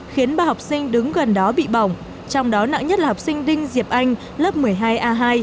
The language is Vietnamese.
khiến ba học sinh đứng gần đó bị bỏng trong đó nặng nhất là học sinh đinh diệp anh lớp một mươi hai a hai